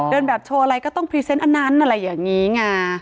เดินแบบโชว์อะไรก็ต้องพรีเซนต์อันนั้นอะไรอย่างนี้ไง